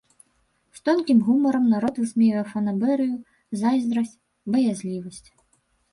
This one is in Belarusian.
З тонкім гумарам народ высмейвае фанабэрыю, зайздрасць, баязлівасць.